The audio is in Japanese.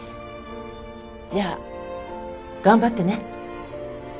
じゃあ頑張ってね。